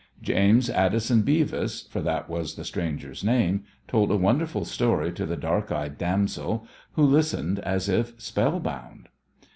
James Addison Beavis, for that was the stranger's name, told a wonderful story to the dark eyed damsel, who listened as if spellbound.